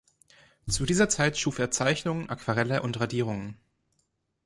Zu dieser Zeit schuf er Zeichnungen, Aquarelle und Radierungen.